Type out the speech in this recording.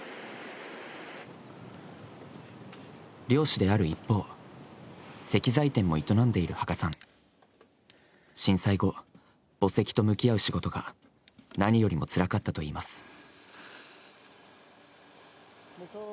漁師である一方、石材店も営んでいる芳賀さん、震災後、墓石と向き合う仕事が何よりもつらかったといいます。